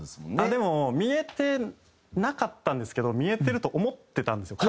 でも見えてなかったんですけど見えてると思ってたんですよ。